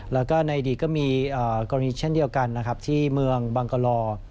และในอดีตก็มีกรณีเช่นเดียวกันที่เมืองบังกลอ